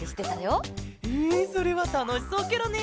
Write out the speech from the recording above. えそれはたのしそうケロね。